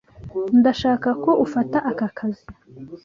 Ndashaka ko ufata aka kazi.